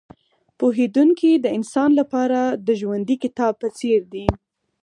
پوهېدونکی د انسان لپاره د ژوندي کتاب په څېر دی.